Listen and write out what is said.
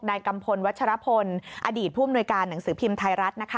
กัมพลวัชรพลอดีตผู้อำนวยการหนังสือพิมพ์ไทยรัฐนะคะ